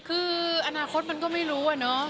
คืออนาคตมันก็ไม่รู้